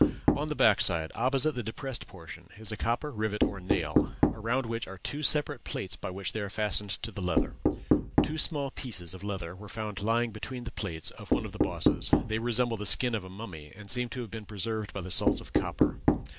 On the back side, opposite the depressed portion, is a copper rivet or nail, around which are two separate plates by which they were fastened to the leather. Two small pieces of leather were found lying between the plates of one of the bosses; they resemble the skin of a mummy, and seem to have been preserved by the salts of copper.